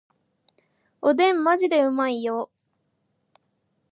おでんマジでうまいよ